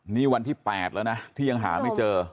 นี่วันที่๘แล้วนะที่ยังหาไม่เจอ